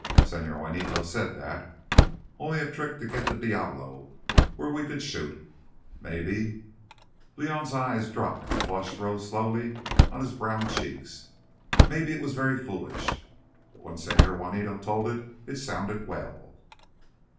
Señor Juanito said that. Only a trick to get the diablo where we could shoot. Maybe—" Leon's eyes dropped, a flush rose slowly on his brown cheeks—"maybe it was very foolish. But when Señor Juanito told it, it sounded well."